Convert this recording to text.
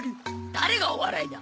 誰がお笑いだ！